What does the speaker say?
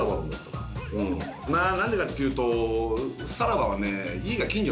まぁ何でかっていうと「さらば」はね。